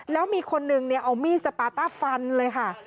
แล้วมีคนนึงเอามีดสปาต้าฟันเลยค่ะ